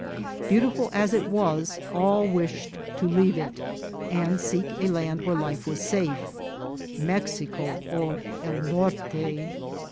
Beautiful as it was, all wished to leave it, and seek a land where life was safe — Mexico or El Norte.